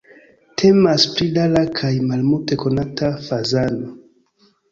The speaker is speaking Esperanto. Temas pri rara kaj malmulte konata fazano.